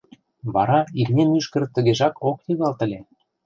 Вара имне мӱшкыр тыгежак ок йыгалт ыле.